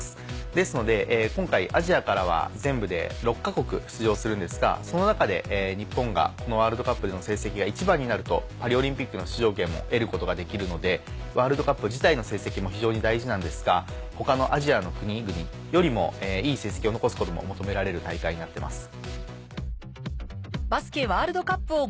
ですので今回アジアからは全部で６か国出場するんですがその中で日本がこのワールドカップでの成績が１番になるとパリオリンピックの出場権も得ることができるのでワールドカップ自体の成績も非常に大事なんですが他のアジアの国々よりもいい成績を残すことも求められる大会になってます。